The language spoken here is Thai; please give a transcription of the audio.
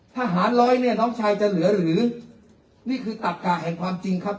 ทหารร้อยเนี่ยน้องชายจะเหลือหรือนี่คือตักกะแห่งความจริงครับ